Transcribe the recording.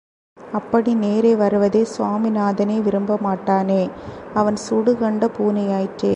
அப்படி நேரே வருவதைச் சுவாமிநாதனே விரும்ப மாட்டானே, அவன் சூடு கண்ட பூனையாயிற்றே.